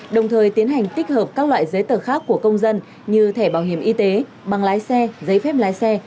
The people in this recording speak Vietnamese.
đồng thời tiến hành tích hợp các loại giấy tờ khác của công dân như thẻ bảo hiểm y tế bằng lái xe giấy phép lái xe